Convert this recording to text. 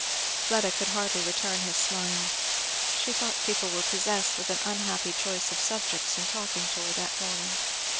Fleda could hardly return his smile. She thought people were possessed with an unhappy choice of subjects in talking to her that morning.